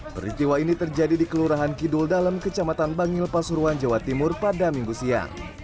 peristiwa ini terjadi di kelurahan kidul dalem kecamatan bangil pasuruan jawa timur pada minggu siang